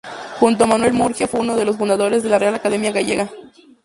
Junto a Manuel Murguía fue uno de los fundadores de la Real Academia Gallega.